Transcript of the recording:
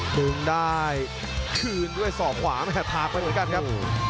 ดึงได้คืนด้วยสองขวานะครับทากไปเหมือนกันครับ